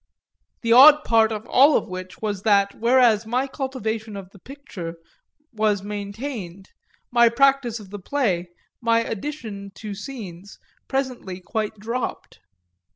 The odd part of all of which was that whereas my cultivation of the picture was maintained my practice of the play, my addiction to scenes, presently quite dropped.